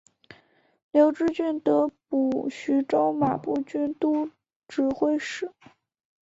刘知俊得补徐州马步军都指挥使。